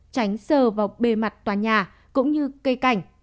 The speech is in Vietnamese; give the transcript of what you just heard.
tránh sờ vào bề mặt tòa nhà cũng như cây cảnh